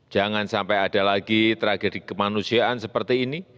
jangan sampai ada lagi tragedi kemanusiaan seperti ini